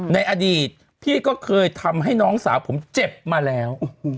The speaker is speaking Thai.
ในอดีตพี่ก็เคยทำให้น้องสาวผมเจ็บมาแล้ว